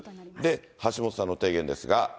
橋下さんの提言ですが。